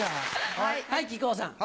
はい木久扇さん。